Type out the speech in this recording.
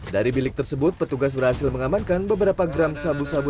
dari bilik tersebut petugas berhasil mengamankan beberapa gram sabu sabu